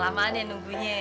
lamaan ya nunggunya